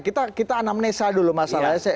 kita anamnesa dulu masalahnya